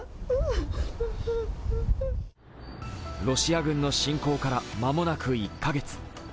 ロシア軍の侵攻から間もなく１カ月。